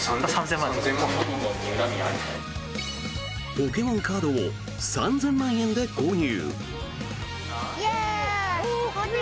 ポケモンカードを３０００万円で購入。